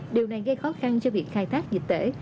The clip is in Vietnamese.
điều này gây khó khăn cho việc khai thác dịch tễ